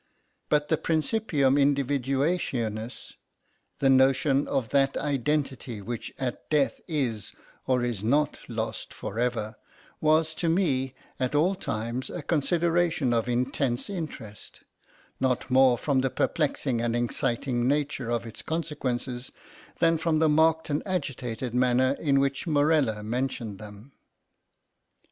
But the principium indivduationis, the notion of that identity which at death is or is not lost forever—was to me, at all times, a consideration of intense interest; not more from the perplexing and exciting nature of its consequences, than from the marked and agitated manner in which Morella mentioned them.